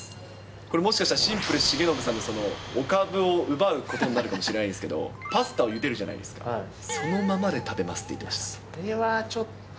これ、もしかしたらシンプル重信さんのお株を奪うことになるかもしれないんですけど、パスタをゆでるじゃないですか、そのままで食べまそれはちょっと。